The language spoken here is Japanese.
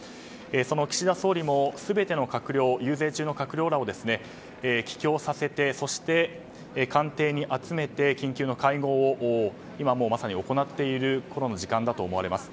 その岸田総理も全ての遊説中の閣僚らを帰京させて、そして官邸に集めて緊急の会合を今まさに行っているころの時間だと思われます。